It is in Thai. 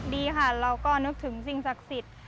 ดีค่ะเราก็นึกถึงสิ่งศักดิ์สิทธิ์